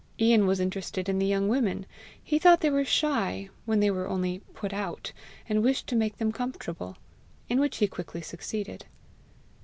Ian was interested in the young women: he thought they were shy, when they were only "put out," and wished to make them comfortable in which he quickly succeeded.